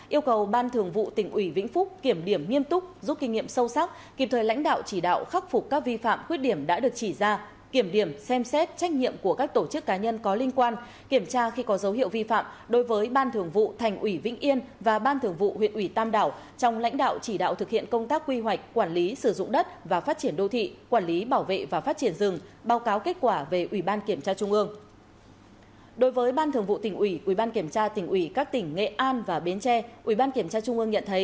yêu cầu ban thường vụ tỉnh ủy vĩnh phúc kiểm điểm nghiêm túc giúp kinh nghiệm sâu sắc kịp thời lãnh đạo chỉ đạo khắc phục các vi phạm quyết điểm đã được chỉ ra kiểm điểm xem xét trách nhiệm của các tổ chức cá nhân có liên quan kiểm tra khi có dấu hiệu vi phạm đối với ban thường vụ thành ủy vĩnh yên và ban thường vụ huyện ủy tam đảo trong lãnh đạo chỉ đạo thực hiện công tác quy hoạch quản lý sử dụng đất và phát triển đô thị quản lý bảo vệ và phát triển rừng báo cáo kết quả về ủy ban kiểm tra trung ương